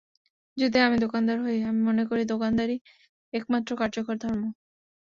যদি আমি দোকানদার হই, আমি মনে করি, দোকানদারিই একমাত্র কার্যকর ধর্ম।